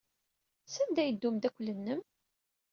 Sanda ay yedda umeddakel-nnem?